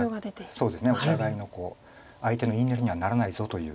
そうですねお互いのこう相手の言いなりにはならないぞという。